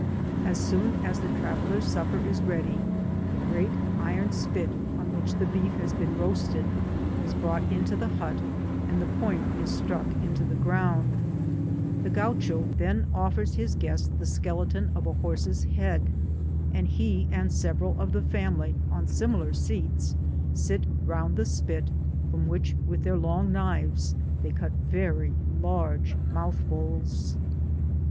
As soon as the tra veller's supper is ready, the great iron spit on which the beef has been roasted is brought into the hut, and the point is struck into the ground: the Gaucho then dfers his guest the skeleton of a horse^s head, and he and several of the family, on amilar seats, c Digitized byGoogk 18 DESCftXPTlVB OUTLINE sft round the spit^ from which with thdr long knives they cut very large mouthfuls*.